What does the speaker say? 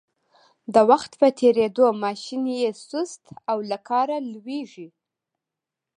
د وخت په تېرېدو ماشین یې سست او له کاره لویږي.